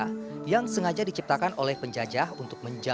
ruang sukarno dikatakan sebagai ruang utama